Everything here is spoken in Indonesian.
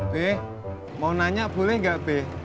be mau nanya boleh gak be